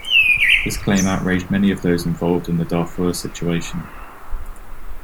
This claim outraged many of those involved in the Darfur situation.